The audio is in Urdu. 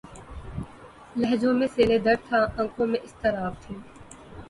لہجوں میں سیلِ درد تھا‘ آنکھوں میں اضطراب تھے